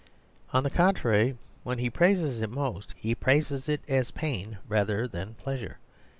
On the contrary, when he praises it most, he praises it as pain rather than pleasure.